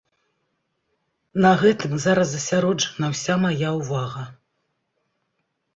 На гэтым зараз засяроджана ўся мая ўвага.